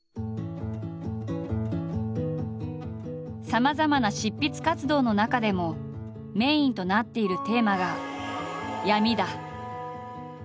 さまざまな執筆活動の中でもメインとなっているテーマが「闇」だ。